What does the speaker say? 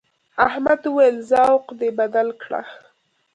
احمد وويل: ذوق دې بدل کړه.